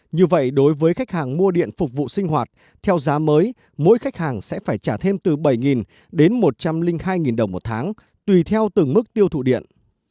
như vậy đối với khách hàng mua điện phục vụ sinh hoạt theo giá mới mỗi khách hàng sẽ phải trả thêm từ bảy đến một trăm linh hai đồng một tháng tùy theo từng mức tiêu thụ điện